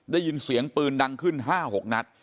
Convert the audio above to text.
ได้ยินเสียงปืนดังขึ้น๕๖นัด